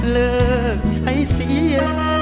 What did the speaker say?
เลิกใช้เสียง